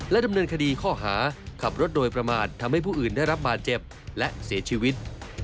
ดำเนินคดีข้อหาขับรถโดยประมาททำให้ผู้อื่นได้รับบาดเจ็บและเสียชีวิต